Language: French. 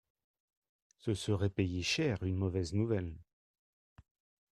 Ce serait payer cher une mauvaise nouvelle.